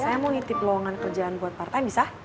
saya mau ngitip ruangan kerjaan buat part time bisa